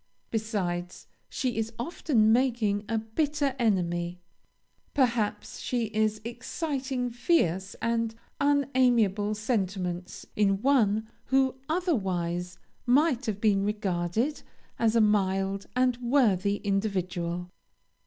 Besides, she is often making a bitter enemy; perhaps she is exciting fierce and unamiable sentiments in one who otherwise might have been regarded as a mild and worthy individual.